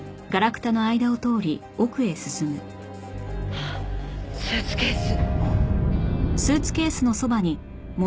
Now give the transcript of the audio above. あっスーツケース。